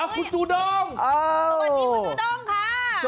คุณยูดองโอ้เร็วสวัสดีคุณยูดองค่ะ